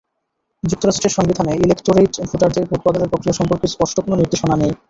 যুক্তরাষ্ট্রের সংবিধানে ইলেকটোরেট ভোটারদের ভোট প্রদানের প্রক্রিয়া সম্পর্কে স্পষ্ট কোনো নির্দেশনা নেই।